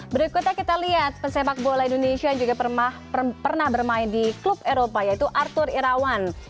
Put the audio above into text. berikutnya kita lihat pesepak bola indonesia juga pernah bermain di klub eropa yaitu arthur irawan